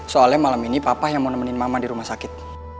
soalnya malam ini papa yang mau nemenin mama di rumah sakit